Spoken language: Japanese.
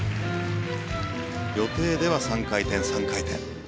予定では３回転、３回転。